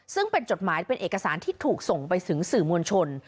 ซึ่งเป็นจดหมายเป็นเอกสารที่ถูกส่งไปถึงสื่อมวลชน